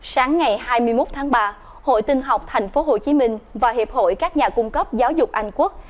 sáng ngày hai mươi một tháng ba hội tinh học tp hcm và hiệp hội các nhà cung cấp giáo dục anh quốc